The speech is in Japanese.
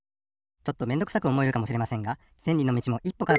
ちょっとめんどくさくおもえるかもしれませんが「せんりのみちもいっぽから」と